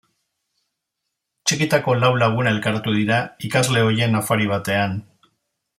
Txikitako lau lagun elkartu dira ikasle ohien afari batean.